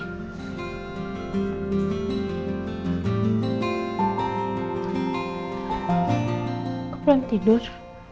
gak pernah tidur